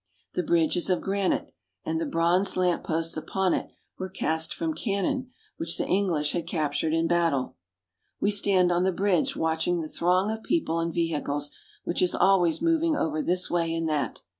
The bridge is of granite, and the bronze lamp posts upon it were cast from cannon which the English London Bridge. had captured in battle. We stand on the bridge watch ing the throng of people and vehicles which is always moving over this way and that.